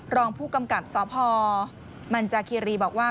รองผู้กำกับสพมันจาคิรีบอกว่า